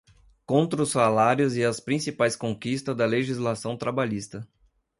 contra os salários e as principais conquistas da legislação trabalhista